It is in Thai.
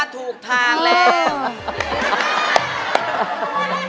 ถูกทางเลย